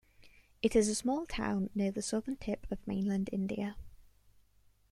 It is a small town near the southern tip of mainland India.